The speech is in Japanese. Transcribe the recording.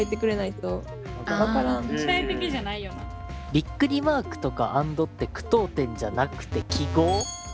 ビックリマークとか＆って句読点じゃなくて記号。